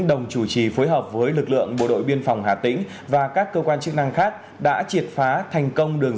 đã tiến hành thành công